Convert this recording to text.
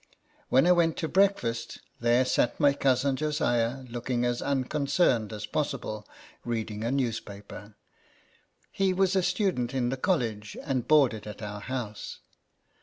When I went to breakfast, there sat my cousin Josiah, looking as unconcerned 24 INTRODUCTION. as possible, reading a newspaper. He was a student in the college, and boarded at our house.